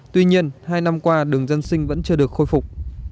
tuy nhiên hai năm qua đường dân sinh vẫn chưa được khôi phục